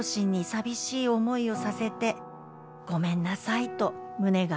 「さびしい思いをさせて」「ごめんなさいと胸が」